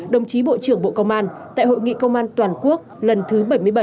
đồng chí bộ trưởng bộ công an tại hội nghị công an toàn quốc lần thứ bảy mươi bảy